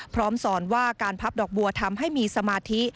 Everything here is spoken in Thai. พร้อมสอนว่าการพับดอกบัวทำให้มีสมาธิ